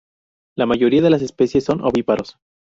La mayoría de las especies son ovíparos.